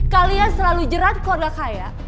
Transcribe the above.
kalian selalu jerat keluarga kaya